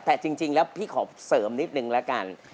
แต่จริงแล้วพี่ขอเสริมนิดนึงละกัน